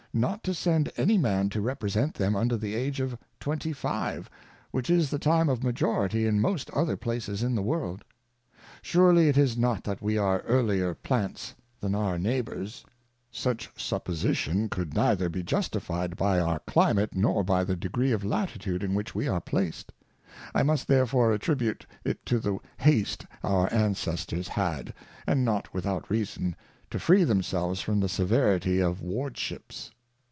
Not to send any Man to Represent them under the Age of Twenty five, which is the time of Majority in most other places of the world. Surely it is not that we are Earlier plants than our Neighbours. Such supposition could neither be Justifi'd by our Climate, nor Members in Parliament. 151 nor by the degree of Latitude in which we are placed ; I must therefore attribute it to the haste our Ancestors had (and not without reason) to free themselves from the Severity of Ward ships.